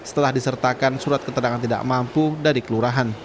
setelah disertakan surat keterangan tidak mampu dari kelurahan